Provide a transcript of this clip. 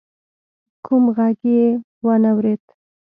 کوم غږ يې وانه ورېد.